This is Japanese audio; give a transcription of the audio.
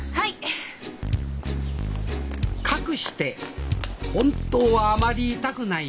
かくして本当はあまりいたくない